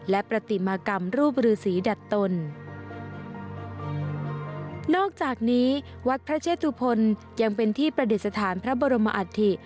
และประติมากรรมรูปฤษีดัตนนอกจากนี้วัดพระเชศุพรยังเป็นที่ประเด็นสถานพระบรมอัฐษฐิ